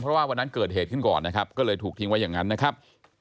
เพราะว่าวันนั้นเกิดเหตุขึ้นก่อนนะครับก็เลยถูกทิ้งไว้อย่างนั้นนะครับ